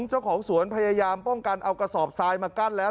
เจ้าของสวนพยายามป้องกันเอากระสอบทรายมากั้นแล้ว